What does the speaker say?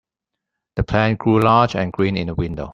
The plant grew large and green in the window.